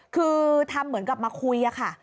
คือทำเหมือนกับมาคุยอะค่ะ